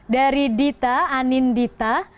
dari dita anin dita